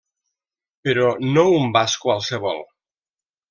Però no un vas qualsevol.